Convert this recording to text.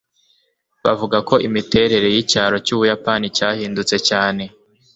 bavuga ko imiterere y'icyaro cy'ubuyapani cyahindutse cyane